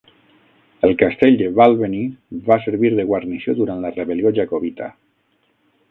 El castell de Balvenie va servir de guarnició durant la rebel·lió jacobita.